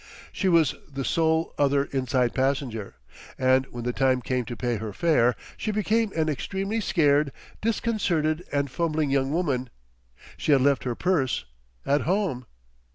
She was the sole other inside passenger. And when the time came to pay her fare, she became an extremely scared, disconcerted and fumbling young woman; she had left her purse at home.